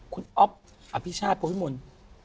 คุณอ๊อฟอภิชาติพระพิมนต์